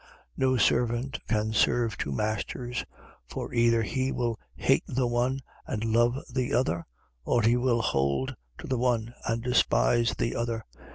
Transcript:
16:13. No servant can serve two masters: for either he will hate the one and love the other: or he will hold to the one and despise the other.